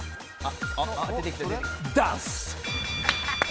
ダンス！